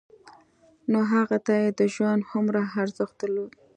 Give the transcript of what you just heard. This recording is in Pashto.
نو هغه ته يې د ژوند هومره ارزښت درلود.